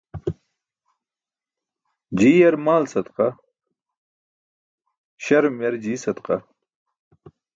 Jii yar maal sadaqa, śarum yar jii sadaqa.